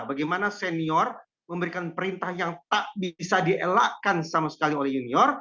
bagaimana senior memberikan perintah yang tak bisa dielakkan sama sekali oleh junior